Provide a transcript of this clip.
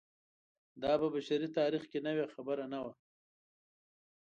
دا په بشري تاریخ کې نوې خبره نه وه.